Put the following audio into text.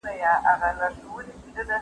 ته ولې دومره په غوسه له خوبه راپاڅېدې؟